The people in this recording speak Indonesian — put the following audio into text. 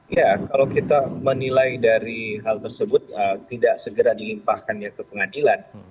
ya kalau kita menilai dari hal tersebut tidak segera dilimpahkannya ke pengadilan